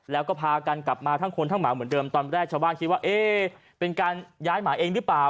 แล้วก็พากันกลับมาทั้งคนทั้งหมาเหมือนเดิมตอนแรกชาวบ้านคิดว่าเอ๊ะเป็นการย้ายหมาเองหรือเปล่า